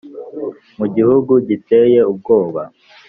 mu gihugu giteye ubwoba,